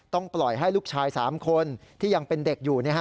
ปล่อยให้ลูกชาย๓คนที่ยังเป็นเด็กอยู่